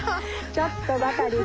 「ちょっとばかりです